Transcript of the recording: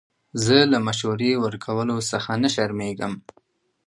زه له مشورې ورکولو څخه نه شرمېږم.